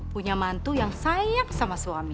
punya mantu yang sayang sama suami